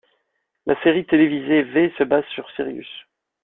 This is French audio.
La série télévisée V se base sur Sirius.